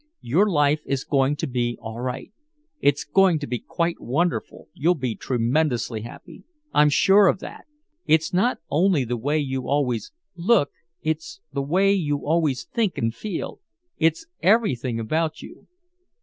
Your life is going to be all right. It's going to be quite wonderful you'll be tremendously happy. I'm sure of that. It's not only the way you always look it's the way you always think and feel. It's everything about you."